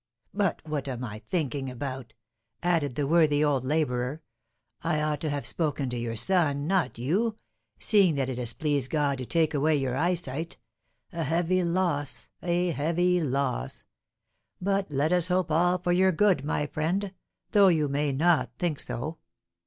But what am I thinking about?" added the worthy old labourer. "I ought to have spoken to your son, not you, seeing that it has pleased God to take away your eyesight a heavy loss, a heavy loss; but let us hope all for your good, my friend, though you may not now think so.